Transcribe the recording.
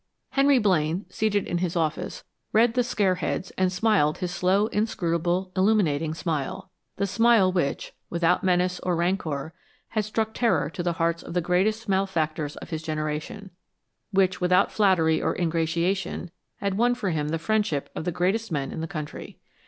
Henry Blaine, seated in his office, read the scare heads and smiled his slow, inscrutable, illuminating smile the smile which, without menace or rancor, had struck terror to the hearts of the greatest malefactors of his generation which, without flattery or ingratiation, had won for him the friendship of the greatest men in the country.